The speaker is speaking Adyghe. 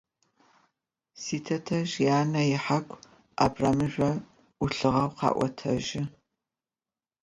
Ситэтэжъ янэ ихьаку абрамыжъо ӏулъыгъэу къеӏотэжьы.